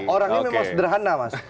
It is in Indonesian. orangnya memang sederhana mas